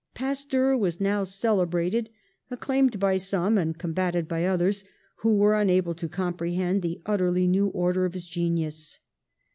Pasteur was now celebrated, acclaimed by some, and combatted by others who were un able to comprehend the utterly new order of his genius.